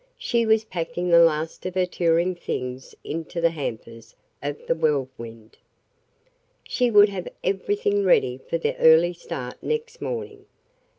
She was packing the last of her touring things into the hampers of the Whirlwind. She would have everything ready for the early start next morning.